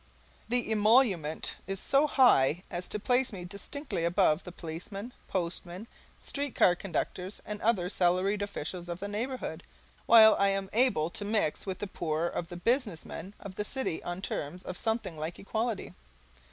The emolument is so high as to place me distinctly above the policemen, postmen, street car conductors, and other salaried officials of the neighbourhood, while I am able to mix with the poorer of the business men of the city on terms of something like equality.